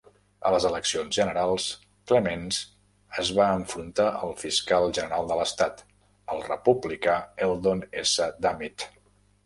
A les eleccions generals, Clements es va enfrontar al fiscal general de l'estat, el republicà Eldon S. Dummit.